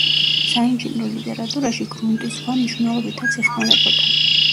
საინჟინრო ლიტერატურაში გრუნტი სხვა მნიშვნელობითაც იხმარებოდა.